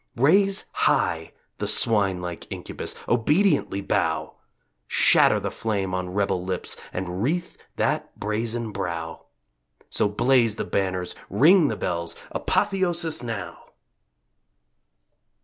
Raise high the swine like incubus, Obediently bow! Shatter the flame on rebel lips And wreath that brazen brow! So blaze the banners, ring the bells, Apotheosis now!